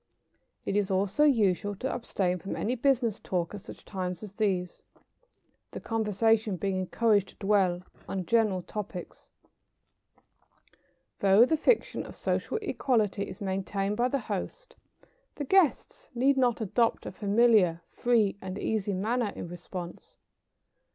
It is also usual to abstain from any business talk at such times as these, the conversation being encouraged to dwell on general topics. Though the fiction of social equality is maintained by the host, the guests need not adopt a familiar, free and easy manner in response.